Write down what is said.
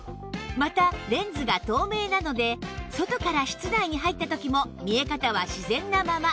またレンズが透明なので外から室内に入った時も見え方は自然なまま